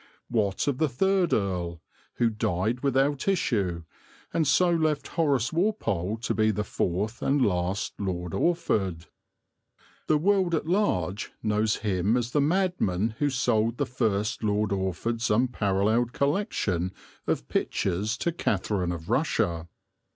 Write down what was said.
What of the third earl, who died without issue, and so left Horace Walpole to be the fourth and last Lord Orford? The world at large knows him as the madman who sold the first Lord Orford's unparalleled collection of pictures to Catherine of Russia.